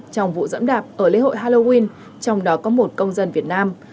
trong vụ dẫm đạp ở lễ hội halloween trong đó có một công dân việt nam